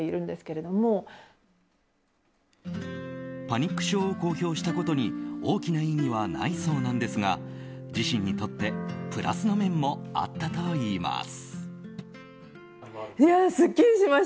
パニック症を公表したことに大きな意味はないそうなんですが自身にとってプラスの面もあったといいます。